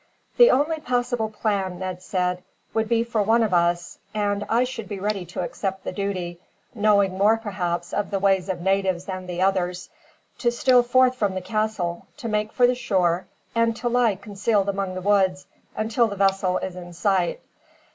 "The only possible plan," Ned said, "would be for one of us and I should be ready to accept the duty, knowing more perhaps of the ways of natives than the others to steal forth from the castle, to make for the shore, and to lie concealed among the woods until the vessel is in sight.